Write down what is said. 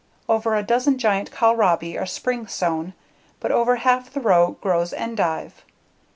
Over a dozen giant kohlrabi are spring sown, but over half the row grows endive.